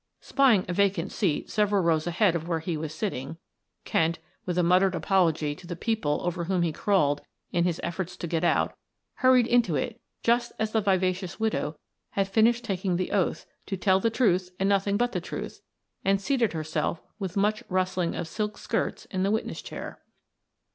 Spying a vacant seat several rows ahead of where he was sitting, Kent, with a muttered apology to the people over whom he crawled in his efforts to get out, hurried into it just as the vivacious widow had finished taking the oath to "tell the truth and nothing but the truth," and seated herself, with much rustling of silk skirts in the witness chair.